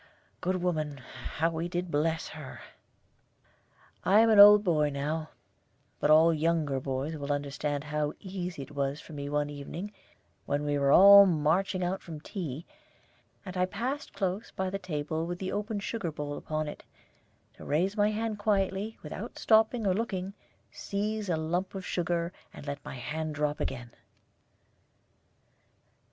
Good woman, how we did bless her! I am an old boy now, but all younger boys will understand how easy it was for me one evening when we were all marching out from tea, and I passed close by the table with the open sugar bowl upon it, to raise my hand quietly, without stopping or looking, seize a lump of sugar, and let my hand drop again.